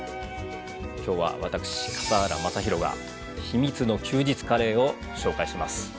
今日は私笠原将弘が「秘密の休日カレー」を紹介します。